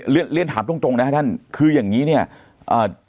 เรียนเรียนถามตรงตรงนะครับท่านคืออย่างงี้เนี้ยอ่า